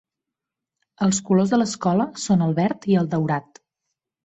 Els colors de l'escola són el verd i el daurat.